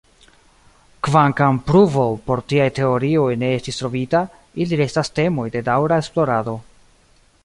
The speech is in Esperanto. Kvankam pruvo por tiaj teorioj ne estis trovita, ili restas temoj de daŭra esplorado.